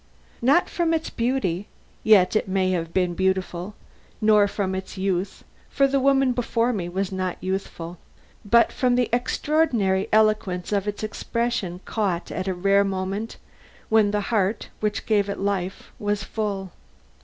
Not from its beauty, yet it may have been beautiful; nor from its youth, for the woman before me was not youthful, but from the extraordinary eloquence of its expression caught at a rare moment when the heart, which gave it life, was full.